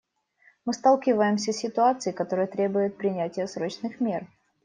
Мы сталкиваемся с ситуацией, которая требует принятия срочных мер.